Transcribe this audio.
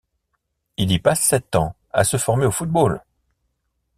Il y passe sept ans à se former au football.